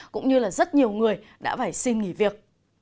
cũng như là rất nhiều người đã phải xin nghỉ việc